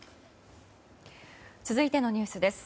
続いてのニュースです。